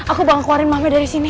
aku bakal keluarin mama dari sini